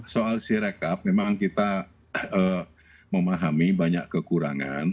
soal sirekap memang kita memahami banyak kekurangan